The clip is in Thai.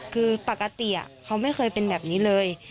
คือปกติเขาไม่เคยเป็นแบบนี้เลย